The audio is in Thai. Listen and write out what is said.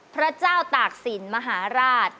พระเจ้าตากศิลป์มหาราช